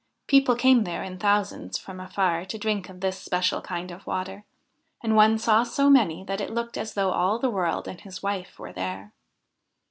People came there in thousands from afar to drink of this special kind of water ; and one saw so many that it looked as though all the world and his wife were there.